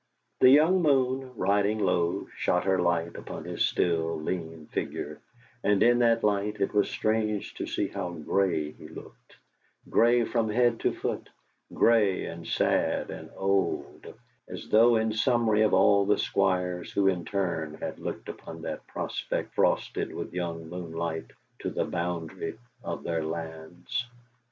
The young moon, riding low, shot her light upon his still, lean figure, and in that light it was strange to see how grey he looked grey from head to foot, grey, and sad, and old, as though in summary of all the squires who in turn had looked upon that prospect frosted with young moonlight to the boundary of their lands.